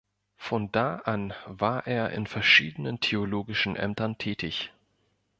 Von da an war er in verschiedenen theologischen Ämtern tätig.